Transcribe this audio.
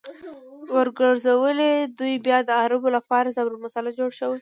ورګرځولې!! دوی بيا د عربو لپاره ضرب المثل جوړ شو